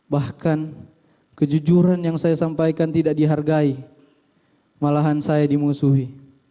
bahkan kejujuran yang saya sampaikan tidak dihargai malahan saya dimusuhi